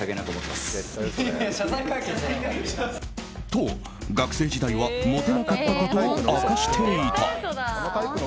と、学生時代はモテなかったことを明かしていた。